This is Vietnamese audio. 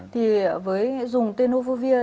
thì với dùng tenofovir